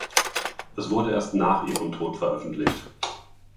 Es wurde erst nach ihrem Tod veröffentlicht.